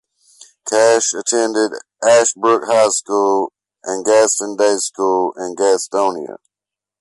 Cash attended Ashbrook High School and Gaston Day School in Gastonia.